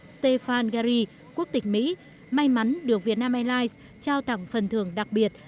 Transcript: stephen gary quốc tịch mỹ may mắn được vietnam airlines trao tặng phần thưởng đặc biệt